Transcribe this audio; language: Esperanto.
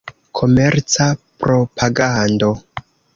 Komerca propagando.